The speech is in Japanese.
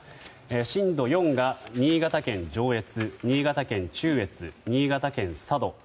震度４が新潟県上越新潟県中越、新潟県佐渡。